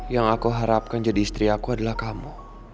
yang aku harapkan jadi istri aku adalah kamu